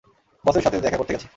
বসের সাথে দেখা করতে গেছে।